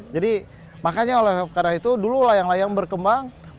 makanya oleh karena itu dulu layang layang berkembang